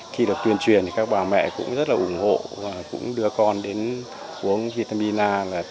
khi được tuyên truyền các bà mẹ cũng rất ủng hộ và đưa con đến uống vitamin a